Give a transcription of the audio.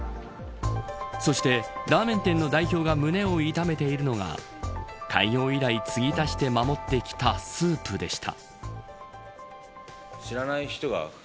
そして、ラーメン店の代表が胸を痛めているのが開業以来、つぎ足して守ってきたスープでした。